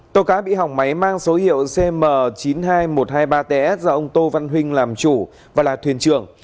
tàu cá bị hỏng máy mang số hiệu cm chín mươi hai nghìn một trăm hai mươi ba ts do ông tô văn huynh làm chủ và là thuyền trưởng